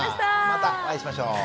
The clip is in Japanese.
またお会いしましょう。